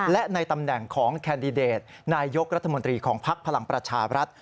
และในตำแหน่งของแคนดิเดตนายกรัฐมนตรีของภักดิ์พลังประชาบรัฐ